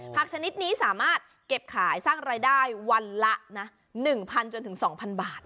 ชนิดนี้สามารถเก็บขายสร้างรายได้วันละนะ๑๐๐จนถึง๒๐๐บาท